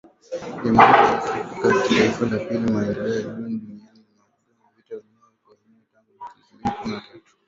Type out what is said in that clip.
Jamhuri ya Afrika ya kati, taifa la pili kwa maendeleo duni duniani limeharibiwa na vita vya wenyewe kwa wenyewe tangu mwaka elfu mbili na kuni na tatu